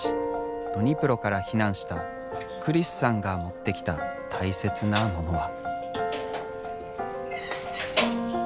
ドニプロから避難したクリスさんが持ってきた大切なモノは。